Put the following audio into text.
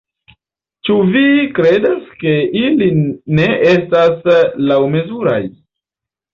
Ĉu vi kredas ke ili ne estas laŭmezuraj?